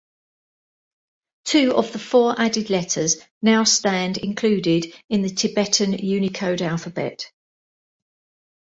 Two of the four added letters now stand included in the Tibetan Unicode alphabet.